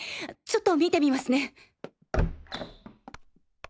ちょっと見てみますね。